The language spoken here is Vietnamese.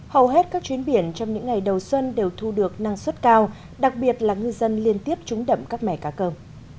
hầu hết các chuyến biển trong những ngày đầu xuân đều thu được năng suất cao đặc biệt là ngư dân liên tiếp trúng đậm các mẻ cá cơm